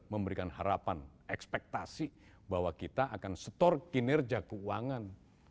memberikan harapan ekspektasi bahwa kita akan store kinerja keuangan